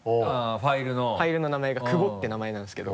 ファイルの名前が「久保」って名前なんですけど。